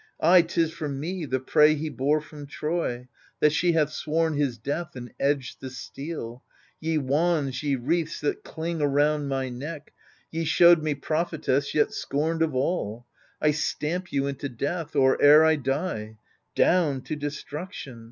Ay, 'tis for me, the prey he bore from Troy, That she hath sworn his death, and edged the steel ! Ye wands, ye wreaths that cling around my neck. Ye showed me prophetess yet scorned of all — I stamp you into death, or e'er I die — Down, to destruction